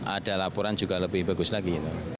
ada laporan juga lebih bagus lagi